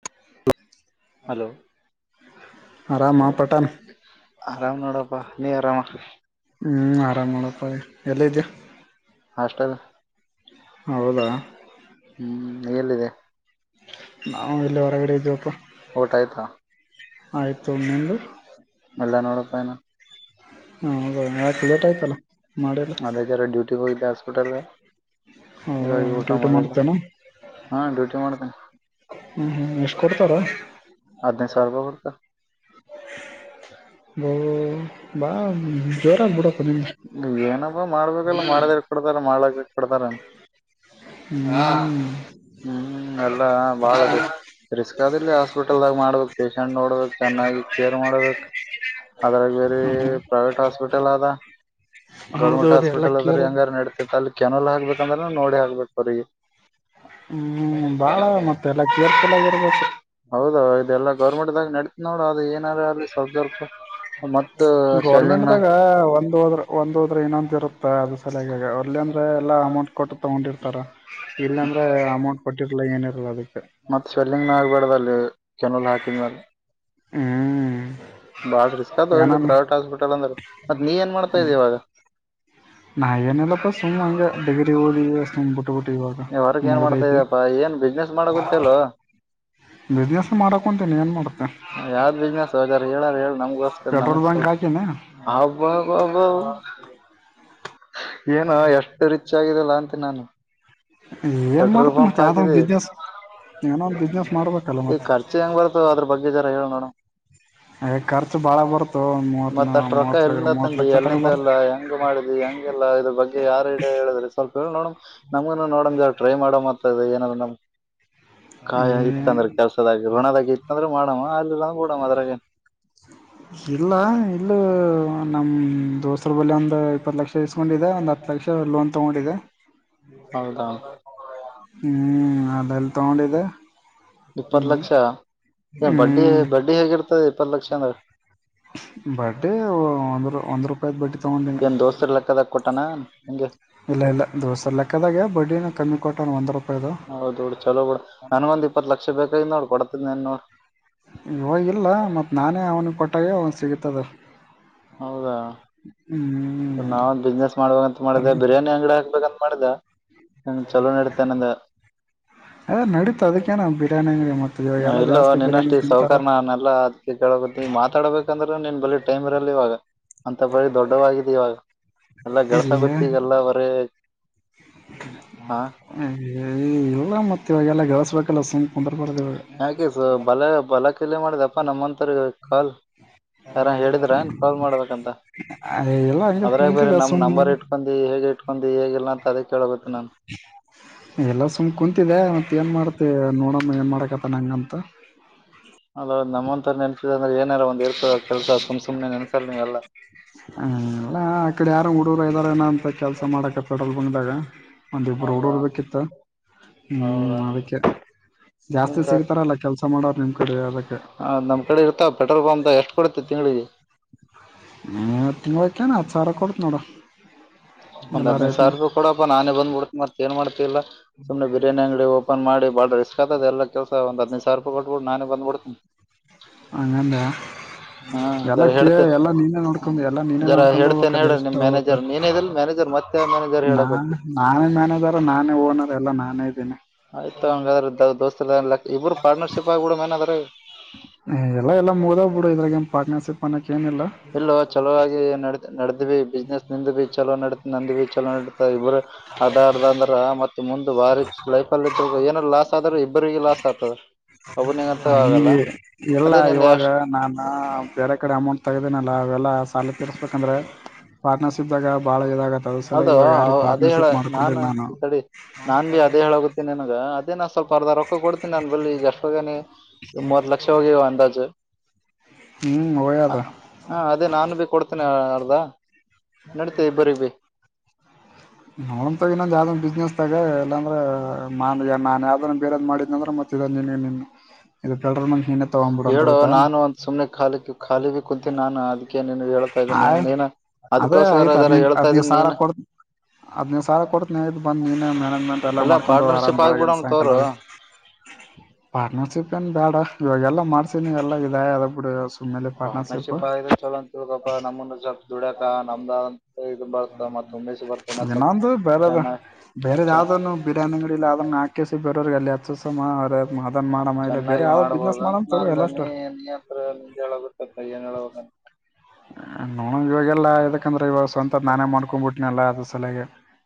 [inaudible] hello... ಆರಾಮ ಪಟಾನ್ [unintelligible] ಆರಾಮ್ ನೋಡಪ್ಪಾ ನೀ ಆರಾಮ ಹ್ಮ್ ಆರಾಮ್ ನೋಡಪ ಎಲ್ಲ ಇದ್ಯಾ ಹಾಸ್ಟೆಲ್..... ಹೌದಾ.... ಹ್ಮ್ ನೀ ಎಲ್ಲಿದೆ... ನಾವು ಇಲ್ಲಿ ಹೊರಗಡೆ ಇದ್ವಪ್ಪ ಊಟ ಆಯ್ತಾ ಆಯ್ತು ನಿಂದು... ಎಲ್ಲಾ ನೂರಾ ರೂಪಾಯ ನಾ ಹ ಹೌದ ಯಾಕ ಲೇಟ್ ಆಯ್ತಲ್ಲ ಮಾಡಿಲ್ಲ ಇಗೋಗಿದೆ ಹಸ್ಪಿಟಲ್ ಹೌದಾ ಹಾಗಾಗಿ ಊಟ ಡ್ಯೂಟಿ ಮಾಡಿ ಲ್ಲ ಮಾಡ್ತೇನ ಹಾ ಡ್ಯೂಟಿ ಮಾಡತನಿ ಹ್ಮ್ ಹ್ಮ್ ಎಷ್ಟ ಕೊಡ್ತಾರ..... ಅದನೈದ ಸಾವರೂಪೈ ಬರುತ್ತ ನಾ ಬಾ ಜರ ಬುಡ ಕೊ ಏನಪ್ಪ ಮಾಡ್ಬೇಕಲ್ಲ [unintelligible] ಮಾಡದ್ರ ಕೊಡ್ತಾರ ಮಾಲಕರಿಗೆ ಕೊಡ್ತಾರ ಹ ಹ್ಮ್ ಹ್ಮ್ ಎಲ್ಲಾ ಬಾಳದು ರಿಸ್ಕ್ ಆದಿಲ್ಲ ಹಾಸ್ಪಿಟಲ್ದಾಗ ಮಾಡ್ಬೇಕು ಪೇಶಂಟ್ ನೋಡ್ಬೇಕ ಚೆನ್ನಾಗಿ ಕೇರ್ ಮಾಡ್ಬೇಕು ಅದ್ರಾಗ ಬೇರೆ ಪ್ರೈವೇಟ್ ಹಾಸ್ಪಿಟಲ್ ಅದ..... ಗೌರ್ಮೆಂಟ್ ಹೌದೌದು ಎಲ್ಲ ಹಾಸ್ಪಿಟಲ್ ಅದ್ರ ಕೇರ್ ಹೆಂಗಾರ ನೆಡತೈತ್ ಅಲ್ಲಿ ಕೆನಲ್ ಹಾಕ್ಬೇಕಂದ್ರೆ ನೋಡಿ ಹಾಕ್ಬೇಕು ಹೊರಗೆ ಹ್ಮ್ ಬಾಳ ಮತ್ತ ಎಲ್ಲ ಕೇರ್ಫುಲ್ ಆಗಿರ್ಬೇಕ ಹೌದ ಇದೆಲ್ಲ ಗೌರ್ಮೆಂಟದಗ ನಡತ್ ನೋಡ ಅದು ಏನಾರ ಅ ಸ್ವಲ್...... ಗೌರ್ಮೆಂಟ್ದಾಗ ಒಂದ್ ಹೋದ್ರ ಒಂದ್ ಹೋದ್ರ ಇನ್ನೊಂದ ಇರುತ್ತ ಅದ ಸಲಯಾಗಿಗ ಅರ್ಲಿ ಅಂದ್ರೆ ಎಲ್ಲ ಅಮೌಂಟ್ ಕೊಟ್ಟು ತಗೊಂಡಿರ್ತಾರ ಇಲ್ಲ ಅಂದ್ರ ಅಮೌಂಟ್ ಕೊಟ್ಟಿರ್ಲ ಏನಿರಲ ಅದಕ್ಕ ಮತ್ತ ಸ್ವೆಲ್ಲಿಂಗ್ ನ ಆಗ್ಬಾಡ್ದ ಅಲ್ಲಿ ಕೆನಲ್ ಹಾಕಿದ್ಮ್ಯಲೆ ಹ್ಮ್... ಬಾಳ ರಿಸ್ಕ್ ಅಲಿ ಏನನ್ ಪ್ರೈವೇಟ್ ಹಾಸ್ಪಿಟಲ್ ಅಂದ್ರ ಮತ್ತತ್ ನೀ ಏನ್ ಮಾಡ್ತಾ ಇದಿ ಇವಾಗ ನಾ [inaudible] ಏನಿಲ್ಲಪ್ಪ ಸುಮ್ಮ್ ಹಂಗೆ ಡಿಗ್ರಿ ಓದಿ ಸುಮ್ಮ್ ಬಿಟ್ಬಿಟ್ಟು ಇವಾಗ ನೀ ವರ್ಕ್ ಏನ್ ಮಾಡ್ತಾ ಮುಗ್ದೈತಿ ಇದ ಾ ಏನ್ ಬಿಸ್ನೆಸ್ ಮಾಡ ಗೊತ್ತಲ್ ಬಿಸ್ನೆಸ್ ಮಾಡಕ್ ಕುಂತೀನಿ ಏನ್ ಮಾಡ್ತೆ ಯಾದ ಬಿಜನೆಸ ಹಾರ ಹೇಳಾರ ಹೇಳ ನಮ್ಗಸ್ಕರ್ ಪೆಟ್ರೋಲ್ ನಮಗ ಬಂಕ್ ಹಾಕಿನಿ ಸ್ವಲ್ಪಬ್ಬ ಒಬ್ಬ ಏನ ಎಷ್ಟು ರಿಚ್ ಆಗಿದೆಲ್ಲ ಅಂತ ನಾನು ಏನ್ ಪೆಟ್ರೋಲ್ ಮಾಡ್ತ ಮತ್ ಪಂಪ್ ಯಾವ್ದೋ ಒಂದ್ ಹಾಕಿದೆ ಬಿಸ್ನೆಸ್ ಏನೋ ಒಂದ್ ಬಿಸ್ನೆಸ್ ಮಾಡ್ಬೇಕಲ್ಲ ಈ ಮತ್ ಖರ್ಚೆ ಹೆಂಗ್ ಬರ್ತದ ಅದ್ರ ಬಗ್ಗೆ ಜರ ಹೇಳ ನೋಡಮ್ ಖರ್ಚು ಬಾಳ ಬರ್ತು ಒಂದ್ ಮೂವತ್ ಮತ್ತ ಅಸ್ಟ ರೋಕ್ಕ ಮೂವತ್ ಮೂವತ್ ಎಲ್ಲಿಂದತಂದಿ ಲಕ್ಷ ತಗ ಎಲ್ಲಿಂದ ಎಲ್ಲ ಹಂಗ ಮಾಡಿದಿ ಹಂಗೆಲ್ಲ ಇದ್ರ ಬಗ್ಗೆ ಯಾರ ಇಿಡ ಹೇಳಿದ್ರೆ ಸ್ವಲ್ಪ ಹೇಳಿ ನೋಡ ನಮ್ಗ ನೋಡಮ ಟ್ರೈ ಮಾಡೋ ಮತ ಇ ಏನ ನಮ್ ಕಾಯ ಇತ್ತಂದ್ರೆ ಬರ್ತ ಕೆಲ್ಸದಾಗ ಋಣದಾಗ ಇತ್ತಂದ್ರೆ ಮಾಡಮ್ಮ ಅಲ್ಲಿಲ್ಲಂದ ಬಿಡವ ಅದ್ರಾಗ ಇಲ್ಲ ಇಲ್ಲ ನಮ ದೋಸರ ಬಲಿ ಒಂದ ಇಪ್ಪತ್ತು ಲಕ್ಷ ಕೊಂಡಿದೆ ಒಂದ್ ಹತ ಲಕ್ಷ ಲೋನ್ ತಗೊಂಡಿದೆ ಹೌದಾ ಹ್ಮ್ ಅದೆಲ್ಲಿ ತಗೊಂಡಿದೆ ಇಪ್ಪತ್ತು ಹ್ಮ್ ಲಕ್ಷ ಏ ಬಡ್ಡಿ ಹ್ಮ್ ಬಡ್ಡಿ ಹೇಗಿರ್ತದೆ ಇಪ್ಪತ್ತು ಲಕ್ಷ ಅಂದ್ರೆ ಬಡ್ಡಿ ಒಂದ್ ಒಂದ್ ರೂಪಾಯದ ಬಡ್ಡಿ ತಗೊಂಡೀಿ ಆ ನಿನ್ಗೆ ಇಲ್ಲ ಇಲ್ಲ ದೋಸ್ತರು ಲೆಕ್ಕದಾಗೆ ಬಡ್ಡಿನೂ ಕಮ್ಮಿ ಕೊಟ್ಟ ಒಂದು ರೂಪಾಯಿದು ಹೌದ್ ಬಿಡು ಚಲೋ ಬಿೂಡ ನನ್ ಒಂದ್ ಇಪ್ಪತ್ ಲಕ್ಷ ಬೇಕೈ ನೋಡ್ ಕೊಡ್ತಿದ್ನ್ ನೋಡ್ ಇವಾಗಿಲ್ಲ ಮತ್ತು ನಾನೇ ಅವ್ನಿಗೆ ಕೊಟ್ಟಾಗ ಅವನು ಸಿಗತದ ಹೌದಾ ಹ್ಮ್ ಸ ನಾವ ಒಂದ ಬಿಸ್ನೆಸ್ ಮಾಡ್ಬೇಕ ಅಂತ ಮಾಡಿದೆ ಬಿರಿಯಾನಿ ಅಂಗಡಿ ಹಾಕ್ಬೇಕಂತ ಮಾಡಿದೆ ಹ ಚಲೋ ನಡತೇನೆಂದ ಏ ನಡಿತುಡ್ ಅದಕ್ಕೆೇ ನಾ ಬ ಬಿರಿಯಾನಿಂಗಡಿ ಮತ್ತ ಇವಾಗೆಲ್ಲ ಇಲ್ಲೋ ಜಾಸ್ತಿ ಬಿರಿಯಾನಿ ನಿನ್ಷ್ಟು ಈ ಸೌಕರ್ನೆಲ್ಲ ಅದಕ್ಕೆ ಕೇಳಬ ಮಾತಾಡ್ಬೇಕಂದ್ರೆ ನೀನ್ ಬಳೀ ಟೈಮ್ ಬ ಇವಾಗ ಅಂತ ಬರೀ ದೊಡ್ಡವಾಗಿದೆ ಇವಾಗ ಎಲ್ಲ ಗಳಸ ತಿಂತಾರ ಗೊತ್ತಗೆಲ್ಲ ಬರೇ ಹಾ ಇಲ್ಲ ಮತ್ತೆ ಇವಾಗೆಲ್ಲ ಗಳಿಸ್ಬೇಕಲ್ಲ ಸುಮ ಕುಂದ್ರ ಬರ್ವಾಗ ಯಾಕೆ ಸ ಬಲ ಬಲ ಕಲೆ ಮಾಡಿದೆಪ್ಪ ನಮ್ಮಥರ್ರಿಗೆ ಕಾಲ್ ಸಾರ ಹೇಳಿದ್ರಏನ್ ಕಾಲ್ ಮಾಡ್ಬೇಕಂತ ಎಲ್ಲ ಹಂಗೆ ಅದ್ರಾಗ ಬರ ಕುಂತಿದೆ ನಮ್ ಸುಮ್ಮ ನಂಬರ್ ಇಟ್ ಇಕಂದು ಹೇಗೆ ಇಟ್ಕೊಂಡ ಹೇಗಿಲ್ಲ ಅಂತ ಅದೇ ಕೇಳಳ್ಬೇಕು ನಾನು ಎಲ್ಲ ಸುಮ್ ಕುೂಂತಿದೆ ಮತ್ತ ಏನ್ ಮಾಡ್ತೆ ನೋಡಮ್ಮ ಏನ್ ಮಾಡಕತ್ತ ನಂಗಂತ ಅೌದು ನಮ್ಮಂತ ್ರ ಏನಾರ ಒ ಇರ್ ಕೆಲಸ ಸುಮ್ ಸುಮ್ನೆ ನನ್ಸಲ್ ನೀವೆಲ್ಲ ಹಲ್ಲ ಆ ಕಡೆ ಯಾರ ಹುಡುಗರು ಇದ್ದಾರನ ಅಂತ ಕೆಲ್ಸ ಮಾಡಕ ಪೆಟ್ರೋಲ್ ಬಂಗದಾಗ ಒಂದ ಯಿಬ್ರು ಹೌದಾ ಹುಡುಗರು ಬೇಕಿತ್ತು ಹೌದಾ ಹ್ಮ್ ಅದಕ್ಕೆ ನಿಮ್ ಜಾಸ್ತಿ ಕ ಸಿಗ್ತಾರಲ್ಲ ಕೆಲ್ಸ ಮಾಡೋ್ರ ನಿಮ್ ಕಡೆ ಅದಕ್ಕೆ ಹ ನಮ್ಮ ಕಡೆ ಇತೆ ಪೆಟ್ರೋಲ್ ಪಂಪ್ಂತ ಎಷ್ಟ ಕೊಡತೆ ತಿಂಗಳಿಗೆ ನ ತಿಂಗಳಕೇನಾ ಹತ್ತು ಸಾವಿರ ಕೊಡ್ತು ನೋಡು ಒಂದ್ದ್ೈದು ಸಾವಿರ ರೂಪಿ ಕೊಡಪ್ಪಾ ನಾನೇ ಬಂದ್ಬಿಡ್ತೆ ಮತ್ತ್ತ ಏನ್ ಮಾಡ್ತಿ ಇಾ ಸುಮ್ಮನೆ ಬಿರಿಯಾನಿಂಗಡಿ ಓಪನ್ ಮಾಡಿಾ ರಿಸ್ಕ್ತದೆ ಎಲ್ಲ ಕೆಲಸ ಒ ಹದಿನದುಾವರ ರೂಪಾಯಿ ಕೊಬಿು ನಾನೇ ಬಂದಬಿಡ್ತನಿ ಅಂಗಂದ್ಯಾ ಹಾ ಎಲ್ಲ ಜರ ಕ ಹೇಳ್ತೆ ಎಲ್ಲಾ ನೀನೇ ನೋಡ್ಕೊಂಡು ಎಲ್ಲಾ ನೀನ ಜರ ನೋಡ್ಕೊಂಡು ಹೋಗಬೇಕದೆ ಎಷ್ಟ ಹೋಗ ಮ್ಯೇಜರ್ ಮತ್ತೆ ಮ್ಯೇಜರ್ ಹೇಳೋ ಗೊತ್ತ ನಾನೇ ಮ್ಯಾನೇಜರ್ ನಾನೇ ಓನರ್ ಎಲ್ಲ ನಾನೇ ಇದ್ದೀನಿ ಆಯ್ತು ಹಂಗ್ರ ದೋಸ್ತಕ್ ಇಬ್ಬರು ಪಾರ್ಟನರ್ಶಿಪ್ ಆಗಿಬಿಡಮ್ಮೇನ್ ಅದರಾಗೆ ಎಲ್ಲ ಎಲ್ಲ ಮುಗದೋಗ್ ಬಿಡು ಇದ್ರಾಗ ಏ ಪಾರ್ನರ್ಶಿಪ್ ಅನ್ನಕ ಏನಿಲ್ಲ ಇಲ್ಲ ಚಲೋಗಿ ನಡ ನಡೆದ್ ಬಿಸ್ನೆಸ್ ನಿಂದ ಭ ಚಲೋ ನಡ ನಂದ ಭ ಚಲೋ ನಡತ ಇಬ್ರು [unintelligible] ಅಧಾರ್ಧ ಅಂದ್ರ ಮತ್ತೆ ಮುಂದ ಬಾರಿ ಲೈಫಲ್ಲಿ ಇದ್ರ ಏನಾದ ಲಾಸ್ ಆದ್ರೆ ಇಬ್ಬ್ರರಿಗೆ ಲಾಸ್ ಆಗ್ತದ [unintelligible] ಒಬ್ಬ ನೀಂಗಂತ ಆಲ್ಲ ಹಂಗೆ ಇಲ್ಲ ಇವಾಗ ನಾನು ಬೇರೆ ಕಡೆ ಅಮೌಂಟ್ ತಗ್ದನಲ್ಲ ಅವೆಲ್ಲ ಪಾಲತಿ ರಸ್ಪ್ಪ ಕಂದರೆ ಪಾರ್ಟನರ್ಶಿಪ್ ದಾಗ ಬಾಳ ಇದಾಗತ್ತ ಅದ ಸಲ ಅದು ಇವಾಗ ಯಾರ ಅವ್- ಅದೇ ಹೇಳ ಪಾರ್ಟ್ನರ್ಶಿಪ್ ಮಾಡ್ಕೊಂಡಿ ನಾನ್ ನಾನು ಹಾ ನ [unintelligible] ಇದೇ ನ ಸ್ವಲ್ಪ ಅರ್ಧ ರೊಕ್ಕ ಕೊತೀನಿ ನಾನನ್ ಬಳಿ ಎಷ್ಟೊನೆ ಮೂವತ್ ಲಕ್ಷ ಹೋಗಿವವ ಅಂದಾಜು ಹ್ಮ್ ಹ ಒಯ್ಯದ ಹಾ ಅದೇ ನಾನು ಭ ಕೊಡ್ತೇನೆ ಅರ್ದ ನಡತೇ ಇಬ್ಬರಿ ಭ ನೋ ತ ಇನ್ನೊಂದ ಯಾವ್ದ್ ಬಿಸ್ನೆಸ್ ತಗ ಇಲ್ಲಾಂದ್ರೆ ಮಾ ನಾ ಯಾವ್ದ ಬೇರದ್ ಮಾಡಿದ್ ಅಂದ್ರೆ ಮತ್ತೆ ಇಲ್ಲ ನಿನಗೆ ನಿನು ಹೇಳು ನಾನು ಒಂದ ಸುಮ್ನೆ ಖಾಲಿಕ್ಕೆ ಖಾಲಿ ಭ ಕುಂತೀ ನಾನು ಅ ಅೆ ನೀ ಹೇಳ್ತಾ ಇದ್ದೀನಿ ಆಯ್ ನೀನು ಅದೇ ಅದಕೋಸ್ಕರ ಅದರ ಹೇಳ್ತಾ ಇದ್ದೀನಿ ನೀನು [unintelligible] [unintelligible] ಹದ್ನೀ ಸರ ಕೊತ್ ಬಂದ ನೀನ ಮಾನೇಜ್ಮೆಂ ಎಲ್ಲ ಮಾಡಕೊಂಡು ಆರಾಮ್ ಪಾರ್ಟ್ನರ್ಶಿಪ್ ಬಳ ಆಗ್ಬಿಡೋಣ ತೋರು ಸಾಯಂಕಾಲಿ ಪಾರ್ಟ್ನರ್ಶಿಪ್ ಏನ್ ಬೇಡ ಇವಾಗೆಲ್ಲ ಮಾಡ್ಸಿನ ಎಲ್ಲಾ ಇದ ಅದ ಬಿಡು ಸುಮ್ಮನೆ ಪಾರ್ಟ್ನರ್ಶಿಪ್ ಪಾರ್ಟನರ್ಶಿಪ್ ಆಗ ಚಲೋ ಅಂತ ತಿಳ್ಕಪ್ಪಾ ನಮ್ಮ ಸ್ವಲ್ಪ ದುಡ್ಯಕ ನಮ್ದ ಇದ ಬರ್ತ ಮತ್ತುಂಬೆ ಬರ್ತ ಏನೊಂದು ಬೇರೆದ ಬೇರೆ ಯಾವ್ದ ಬಿರಿಯಾನಿಗಳ ಇಲ್ಲ ಅದನ್ನ ಹಾಕಸಿ ಬರೋ ಅಲ್ಲಿ ಹಸ ಅದನ್ ಮಾಡ ಇ ಬೇರೆ ಚೆನ್ನಾಗಿ ಯಾವ್ದ್ ಬಿಸ್ನೆಸ್ ಮಾಡಣ ಎಲ್ಲ ಅಷ್ಟರ್ [unintelligible] ನಿೆ ಹೇಳ ಬರ್ತ ಕೈಯ್ಯನ್ ಹೇಳ [unintelligible] ನೋ ಇವಾಗಲ್ಲ ಯದಕಂದ್ರೆ ಇವಾಗ ಸ್ವಂತ ನಾನೇ ಮಾಡ್ಕೊಂಡ್ಬಿಟ್ಟನಲ್ಲಾ ಅದ ಸಲಯಗೆ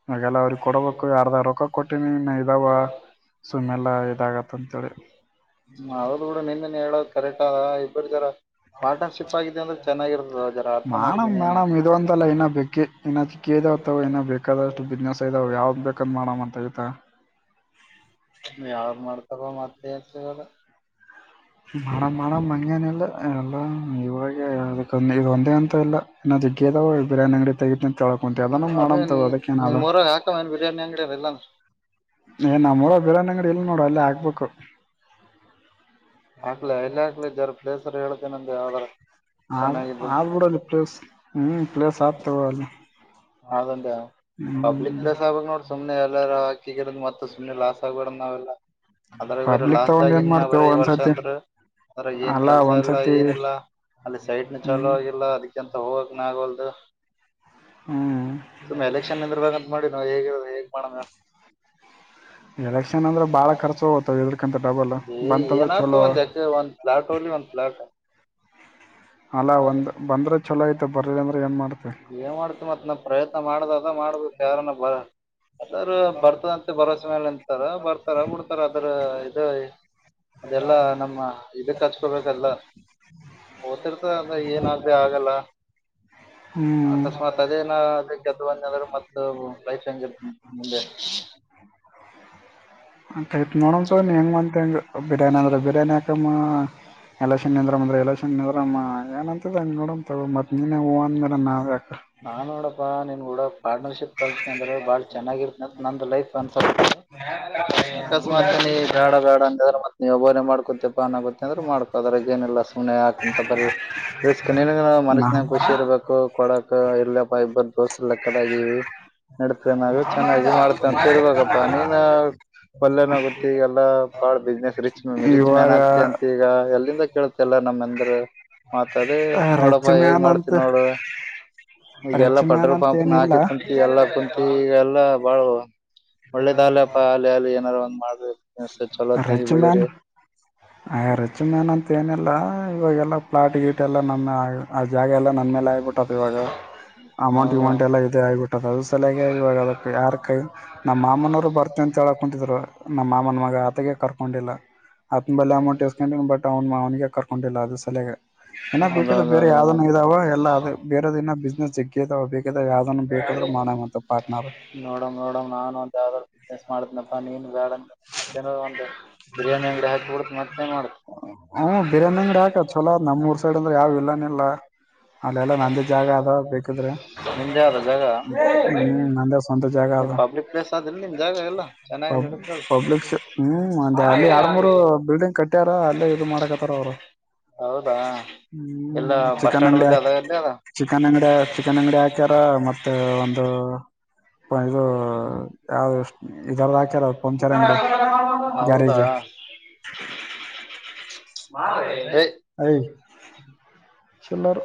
ಇವಾಗಲ್ಲ [unintelligible] ಕೊಡಬೇಕು ಯಾರದ ರೊಕ ಕೊಟ್ಟಿನಿ ಇದಾವ ಸುಮ್ಮ್ನೆಲ್ಲ ಇದಾಗತ್ತ ಅಂತೇಳಿ ಹ್ಮ ಅವ್ರ್ ಬಿೂಡ ನಿಂದೆ ಹೇಳೋದ್ ಕರೆಕ್ಟ್ ಆದ ಇಬ್ಬರು ಜರ ಪಾರ್ಟ್ನರ್ಶಿಪ್ ಆಗಿದೆ ಅಂದ್ರೆ ಚೆನ್ನಾಗಿರ್ತದ ಜರ ಅರ್ಥ ಮಾನಮ ಮಾಡ್ಕನಿ ಏನ ಮೇಣಮ ಇದು ಒಂತಲ್ಲ ಇನ್ನ ಪಿಕ್ಕಿ ಇಏ ಚಿಕ್ಕಿ ಇದದಾವ ಇಏ ಬೇಕಾದಷ್ಟು ಬಿಸ್ನೆಸ್ ಇದಾವ ಯಾವ್ದ ಬೇಕಂದ್ ಮಾಡವ ಅಂತ ಆತ ನೀ ಯಾವು ಮಾಡ್ತಾರ ಮತ್ತೆಗಲ್ಲ ಮಾಡ ಮಾಡ ಮಂಗೇನ ಇಲ್ಲ ಎಲ್ಲ ಇವಾಗ ಅದಕ್ಕೊ ಇ ಒಂದೇ ಅಂತ ಇಲ್ಲ ನಾಗದಾವ ಬಿರಯಾನಿ ಅಂಗಡಿ ತೆಗತಿಂತ ತಳ್ಕೊಂತ ಅದಾನ ಅದೇ ಡಂತಾವ ಅದಕ್ಕೇಏನದ ನಿಮ್ಮೂರಾಗ ಹಾಕವ ಏನ್ [unintelligible] ಬಿರಿಯಾನಿ ಅಂಗಡಿ ಅದ ಇಲ್ಲಾಂದ್ರ ಏ ನಮ್ಮ್ಊ ಬೇಡೋ ಅಂಗಡಿ ಇಲ ನೋಡು ಅಲ್ಲಿ ಆಗ್ಬೇಕು [unintelligible] ಹಾಕ್ಲ ಎ ಇಲ್ಲಿ ಹಾಕ್ಲಿ ಜರರ್ ಪ್ಲೇಸರ್ ಹೇತೇನೆ ಅಂದ ಯಾವ್ದಾರ ಆ ಚೆನ್ನಾಗಿದ್ದು ಆಡ್ಬಿಡಲ್ಲಿ ಪ್ಲೇಸ್ ಹ್ಮ್ ಪ್ಲೇಸ್ ಆಗ್ತಗ ಅಲ್ಲಿ ಅದೊಂದ ಪಬ್ಲಿಕ್ ಹ್ಮ್ ಪಲೇಸ್ ಆಗ್ಬೇಕಕ್ ನೋಡಿ ಸುನೆ ಎಲ್ಲಾರರಾಕ್ಕಿ ಮತ್ತ ಸು್ನೆ ಲಾಸ್ ಆಗ್ಬೇಡ ನಾವೆಲ್ಲ - ಅದ್ರ ಬೇರ ಪಬ್ಲಿಕ್ ಲಾಸ್ ತಗೊಂಡ್ ದಾಗ ಏನ್ ಇನ್ನ ಮಾಡ್ತೇವ ಬರೀ ವರ್ಷ ಒಂದ್ಸತಿ ಚಂದ್ರರು ಅಂದ್ರ ಏನ್ ಅಲ್ಲ ಕೆಲ್ಸ ಇಲ್ಲ ಒಂದ್ಸತಿ ಏನಿಲ್ಲ ಅಲ್ಲಿ ಸೈಟ್ನು ಚಾಲೂ ಹ್ಮ್ ಆಗಿಲ್ಲ ಅದಕಿಂತ ಹೋಗಕನ ಆಗಲ್ದು ಹ್ಮ್ ಸುಮ್ಮ್ ಎಲೆಕ್ಷನ್ಂದ್ರ ಬಂತ ಮಾಡಿ ನಾ ಹೇಗಿರದ ಹೇಗ್ ಮಾಡೋಣ ಎಲೆಕ್ಷನ್ ಅಂದ್ರೆ ಬಾಳ ಖರ್ಚು ಹೋಗ್ತವೆ ಇದಕಂತ ಡಬಲ್ ಏ ಬಂತಂದ್ರೆ ಏನಾಯ್ತು ಚಲೋ ಒಂದ್ ಎಕ [inaudible] ಅಲ್ಲ ಒಂದು ಬಂದ್ರೆ ಚಲೋಯತೆ ಬರ್ರ ಅಂದ್ರೆ ಏನು ಮಾಡ್ತವೆ [unintelligible] ಏ ಮಾಡ್ತಿ ಮತ್ತತ್ ನಾ ಪ್ರಯತ್ನ ಮಾಡ್ದ ಅದ ಮಾಡ್ಬೇಕು ಯಾರನ್ನ ಬ [unintelligible] ಅದ್ರ ಬರ್ತದಂತೆ ಭರವಸೆ ಮೇಲೆ ನಿಂತಾರ ಬರ್ತಾರ ಬಿಡ್ತಾರ ಅದ್ರ ಇ [unintelligible] ಅದೆಲ್ಲಾ ನಮ್ಮ [unintelligible] ಇದಕ್ ಹಚ್ಕೊಬೇಕಲ್ಲ ಓದ್ತಿರ್ತ ಅಂದ ಏನ ಆಾಗದೆ ಆಗಲ್ಲ [unintelligible] ಹ್ಮ್ ಅಕಸ್ಮಾತ್ ಅದೇನ ಅದಕ್ಕೆತಂದಾದ್ರರು ಮತ್ತ ಲೈಫ್ ಹೆಂಗಗೆ ಮುಂದೆ [unintelligible] ಆತ್ ನೋಡೋಂತ ನೀ ಹೆಂಗೆ ಬಂತ ಹೆಂ ಬಿರಿಯಾನಿ ಅಂದ್ರೆ ಬಿರಿಯಾನಿ ಯಾಕಮ್ಮ [unintelligible] ಎಲೆಕ್ಷನ್ ನಿಂದ್ರ ಅಂದ್ರೆ ಎಲೆಕ್ಷನ್ ನಿರಮ್ಮ ಏನಂತಿದೆಂಗ ನೋಡ ಮತ್ತೆ ನೀನ್ನೇ ಹೂವು ಅಂದ ಮೇಲೆ ನಾವು ಯಕ [unintelligible] ನಾನ್ ನೋಡಪ್ಪಾ ನಿನ್ ಕೂಡ ಪಾರ್ಟನರ್ಶಿಪ್ ಕಲ್ತೀನ ಅಂದ್ರೆ ಬಾಳ ಚೆನ್ನಾಗಿರ್ತ ನಂದ ಲೈಫ್ ಅನ್ಸ [unintelligible] ಅಕಸ್ಮಾತ್ ನೀ ಬೇಡ ಬೇಡ ಅಂದ್ರೆ ಮತ್ತತ್ ನೀವ ಒಬ್ಬರೇ ಮಾಡ್ಕೊತ್ತೆ ಪನ್ಗೊತ್ತೆ ಅಂದ್ರರು ಮಾಡ್ಕೊ ಅದರ ಏನೆಲ್ಲ ಸುಮ್ಮನೆ ಆಂತ ಬರಸ್ಕ ನ ಮನಸನ ಖುಷಿ ಇರಬೇಕು ಎಲ್ಲಪ್ಪ ಇಬ್ಬರ್ ದೋಸೆ ಲೆಕ್ಕದಗೀವಿ ನಡ್ತೇ ನಾವ ಚೆನ್ನಾಗಿ ಮಾಡ್ತೇ ಅಂತ ಇರ್ಬೇಕಪ್ಪ ನೀನ್ ಪಲ್ನ ಗೊತ್ತ ಈಗೆಲ್ಲ ಬಾಳ ಬಿಸ್ನೆಸ್ ರಿಚ್ ರಿಚ್ ಮ್ಯಾನ್ ಇವಾಗ ಆಗ್ತೆ ಅಂತ ಈಗ ಎಲ್ಲಿಂದ ಕೇಳತಲ್ಲ ನಮ್ಮಂದ್ರೆ ಮತ್ದೇ ರಿಚ್ ನೋಡಪ್ಪಾ ಹೇಗ್ ಮ್ಯಾನ್ ಅಂತ ಮಾಡ್ತ ನೋಡು ಈ ಎಲ್ಲಾ ರಿಚ್ ಮ್ಯಾನ್ ಪೆಟ್ರೋಲ್ ಅಂತ ಪಂಪ್ನ ಏನಿಲ್ಲ ಹಾಕಿ ಕುಂತು ಎಲ್ಲ ಕುಂತು ಎಲ್ಲ ಬಾಳ ಒಳ್ಳೇದಾಲಪ ಅಲ ಅಲ್ಲಿ ಏನಾರು ಒಂದ್ ಮಾಡ್ರಿ ಚಲೋದನಾಗಿ ಬೆಳಿರಿ ಆಯ ರೆಚು ಮೇನ ಅಂತ ಏನಿಲ್ಲ ಇವಾಗೆಲ್ಲ ಪ್ಲಾಟ್ ಗೀಟೆಲ್ಲ ನಮ್ಮೆ ಆಗ ಆ ಜಾಗ ಎಲ್ಲ ನನ್ ಮೇಲೆ ಆಗಿಬಿಟ್ಟತ್ ಇವಾಗ ಅಮೌಂಟ್ ಹೌದಾ ವಿಮೌಂಟ್ ಎಲ್ಲ ಇದದೆ ಆಗಿಬಿಟ್ಟು ಇ ಅದು ಸಲಯಾಗಿ ಇವಾಗ ಅದಕ್ಕೆ ಯಾರ ಕೈ ನಮ್ಮ ಮಾಮನವರು ಬರ್ತ ಅಂತ ಹೇಳ ಕುೂಂತಿದ್ರು ನಮ್ಮ ಮಾಮನ ಮಗ ಆತಗೆ ಕರ್ಕೊಂಡಿಲ್ಲ [unintelligible] ಲ್ಲ ಅಮೌಂಟ್ ಎೇಸ್ಕೊಂಡು ಬಟ್ ಅವ್ನು ಅವನಿಗೆ ಕರ್ಕೊಂಡಿಲ್ಲ ಅದು ಸಲಯಾಗಿ [unintelligible] ಏ ಬೇಕ ಬೇರೆ ಹೌದೌದೌದು ಯಾವ್ದನ್ ಇದಾವ ಎಲ್ಲಾ ಅ ಬೇರೆದ ಬಿಸ್ನೆಸ್ ಜಗ್ಗೆ ಇದಾವ ಬೇಕ ಯಾವ್ದನ್ ಬೇಕಾದ್ರೆ [unintelligible] ನೋಡಮ ನೋಡಮ್ ನಾನನ್ ಒಂದ ಯಾವ್ದಾದ್ ಬಿಸ್ನೆಸ್ ಮಾಡತನಪ್ಪಾ ನೀನ್ ಬೇಡ ಮತ್ತೇನ ಒಂದು ಬಿರಿಯಾನಿ ಅಂಗಡಿ ಹಾಬಡ ಮತ್ ಹ ಬಿರಿಯಾನಿ ಅಂಗಡಿ ಹಾಕತ್ ಚೊಲೋ ನಮ್ಊರ್ ಸೈಡ್ ಅಂದ್ರೆ ಯಾವ್ ಇಲ್ಲಾನ ಇಲ್ಲ ಅಲ್ಲೆಲ್ಲ ನಂದೇ ಜಾಗ ಅದಾವ ಬೇಕಿದ್ರೆ ನಿಮ್ದೇ ಆದ ಜಾಗ ಹ್ಮ್ ನಂದೇ ಸ್ವಂತ ನೀಪಬ್ಲಿಕ್ ಪ್ಲೇಸ್ ಆದಿಲ್ಲ ನಿಮ್ ಜಾಗ ಎಲ್ಲ ಚೆನ್ನಾಗಿ ಬ್ ನಡೀತದ ಪಬ್ಲಿಕ್ ಹ್ಮ್ ಅ ಅಲ್ಲಿ ಎರಡು ಮೂರು ಬಿಲ್ಡಿಂಗ್ ಕಟ್ಟ್ಯಾರ ಅಲ್ಲೇ ಇದು ಮಾಡಕತ್ತಾರ ಅವ್ರು ಹೌದಾ ಹ್ಮ ಎಲ್ಲ ಬಸ್ ಚಿಕನ್ ಸ್ಟಾಂಡ್ ಅಂಗಡ ಬಲ್ಲಿ ಅದ ಎಲ್ಲಿ ಅದ ಚಿಕನ್ ಅಂಗಡ ಚಿಕನ್ ಅಂಗಡಿ ಹಾಕ್ಯಾರ ಮತ್ತೆ ಒಂದು ಹ ಯಾವ ಇದರ್ದ ಹಾಕ್ಯಾರ ಪಂಚರ್ ಹೌದಾ ಗ್ಯಾರೇಜ್ ಮಾಡ ಏ ಭ ಅ ಚಲ್ಲರ್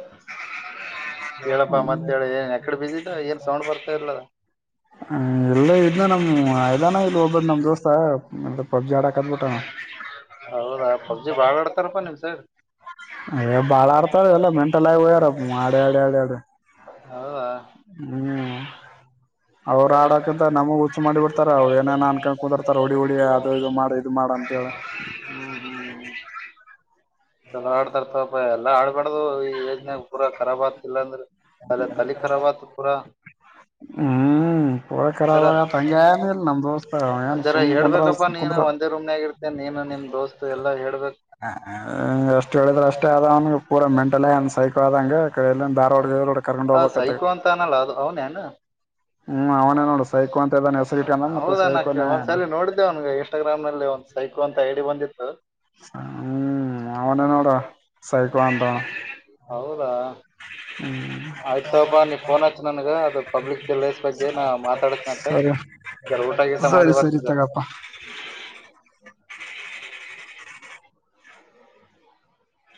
ಹ ಹೇಳಪ್ಪ ಮತ್ತೆ ಹೇಳಿ ಏನ್ ಎಕಡೆ ಬಿದ್ದಿದ್ದ ಏನ್ ಸೌಂಡ್ ಬರ್ತಾ ಇರ್ಲದ ಹ ಎಲ್ಲ ಇದನ ನಮ್ ಆಯದಾನ ಇ ಒಬ್ಬದ್ ನಮ್ ದೋಸ್ತ ಎ ಪಬ್ಜಿ ಆಡಾಕದ್ಬಿಟ್ಟ ಹೌದಾ ಪಬ್ಜಿ ಬಾಳ್ ಆಡ್ತಾರಪ್ಪಾ ನಿಮ್ ಸೈಡ್ ಏ ಬಾಳ ಆಡ್ತಾರ ಎಲ್ಲ ಮೆಂಟಲ್ ಆಗಿ ಹೋಗ್ಯಾರ ಆಡಿ ಆಡಿ ಆಡಿ ಆಡಿ ಹೌದ ಹ್ಮ್ ಅವ್ರು ಆಡಕ ಅ ನಮಗ್ ಹುಚ್ಚು ಮಾಡಿ ಬಿಡ್ತ ಅವ್ ಏನೇನ ಅನ್ಕೊಂಡ ಕುರ್ತಾರ ಹೊಡಿ ಹೊಡಿ ಅದು ಇದು ಮಾಡ ಇದು ಮಾಡ ಅಂತ ಹೇಳ ಹ್ಮ ಹ್ಮ್ ಚಲೋ ಆಡ್ತರ್ತವಪಾ ಎಲ್ಲ ಆಡ್ಬಾರಡ್ದು ಈ ಯೋಜನೆ ಪೂರಾಖರಾಬ್ ಆಗ್ತಿಲ್ಲ ಅಂದ್ರ ಅೆ ತಲ್ಲಿಖರಬತ ಪೂರಾ ಹ್ಮ್ ಪ ರ ಏನ್ ಅರ ಸುಮ್ ಕುಂದ್ರ ಹೇಳ್ಬೇಕಪ್ಪ ಸುಮ್ ನೀನ್ ಕುಂದ್ರ ಒಂದೇ ರೂಮ್ನ ಆಗ ಮತ್ತೆ ನೀನು ನಿಮ್ ದೋಸ್ತು ಎಲ್ಲಾ ಹೇಳ್ಬೇಕು ಹಾ ಹ ಅಷ್ಟು ಹೇಳಿದ್ರೆ ಅಷ್ಟೇ ಆದ ಅವನ ಪೂರ ಮೆಂಟಲ ಅನ್ ಸೈಕೋ ಆದಂಗೆ ಕ ಎಲ್ಲಿ ಧಾರವಾಡಗೆರುೋ ಕರ್ಕೊಂಡು ಹೋಗ್ಬೇಕತ್ತ ಪ ನಲ್ಲಾ ಅವನ್ಣ ಹ್ಮ್ ಅವನೇ ನೋಡ ಸೈಕೋ ಅಂತ ಇದಾನನ್ ಹೆಸರು ಗ ಮತ್ತೆ ಹೌದಾ ನಾ ಕೇ- ಸೈಕೋನ ಒಂದ್ಸಲಿ ನೋಡಿದ್ದೆ ಅವ್ನಿಗೆ ಇನ್ಸ್ಟಾಗ್ರಾಮ್ ನಲ್ಲಿ ಒಂದು ಸೈಕೋ ಅಂತ ಐಡಿ ಬಂದಿತ್ತು ಹ್ಮ್ ಅವನನ ಅವಡ ಸೈಕ್ಳ ಆಂತ ಹೌದಾ ಆಯ್ತಬಾ ನೀ ಫೋನ್ ಹಚ್ಚು ನನ್ಗ ಅದು ಪಬ್ಲಿಕ್ ಪಲೇಸ್ ಬಗ್ಗೆ ನಾ ಮಾತಾಡ ಮತ್ತೆ ಸರಿ ಇದರ ಊಟ ಗೀಟ ಮಾಡಿ ಬರ್ತಿದಾರ ಅಪ್ಪ